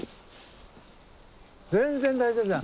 全然大丈夫じゃん。